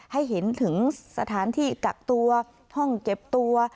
ให้เห็นถึงสถานที่กักตัวห้องเก็บตัว